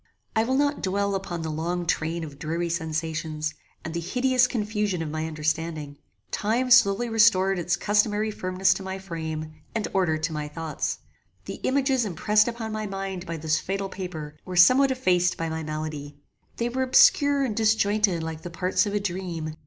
I will not dwell upon the long train of dreary sensations, and the hideous confusion of my understanding. Time slowly restored its customary firmness to my frame, and order to my thoughts. The images impressed upon my mind by this fatal paper were somewhat effaced by my malady. They were obscure and disjointed like the parts of a dream.